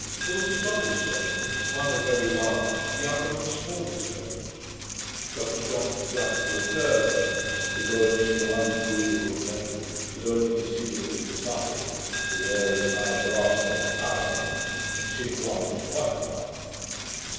There was a double circle, one of very large, the other of smaller stones. Dr Johnson justly observed, that, 'to go and see one druidical temple is only to see that it is nothing, for there is neither art nor power in it; and seeing one is quite enough'.